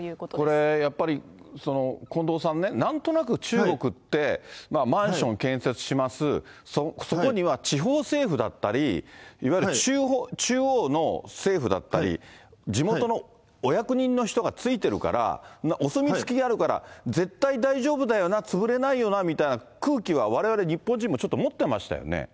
これ、やっぱり近藤さんね、なんとなく中国って、マンション建設します、そこには地方政府だったり、いわゆる中央の政府だったり、地元のお役人の人がついてるから、お墨付きがあるから、絶対大丈夫だよな、潰れないよなみたいな空気は、われわれ日本人もちょっと持ってましたよね。